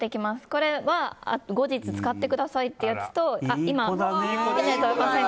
これは後日使ってくださいっていうやつと。